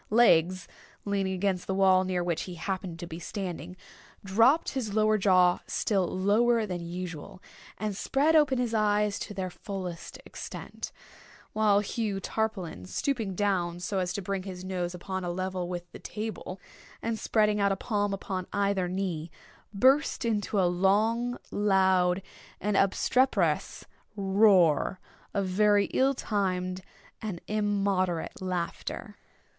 Legs, leaning against the wall near which he happened to be standing, dropped his lower jaw still lower than usual, and spread open his eyes to their fullest extent: while Hugh Tarpaulin, stooping down so as to bring his nose upon a level with the table, and spreading out a palm upon either knee, burst into a long, loud, and obstreperous roar of very ill timed and immoderate laughter.